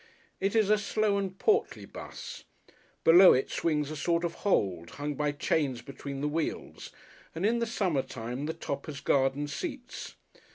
It is a slow and portly 'bus. Below it swings a sort of hold, hung by chains between the wheels, and in the summer time the top has garden seats.